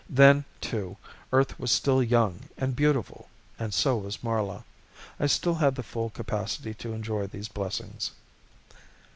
Then, too, Earth was still young and beautiful and so was Marla. I still had the full capacity to enjoy these blessings.